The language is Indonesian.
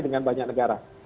dengan banyak negara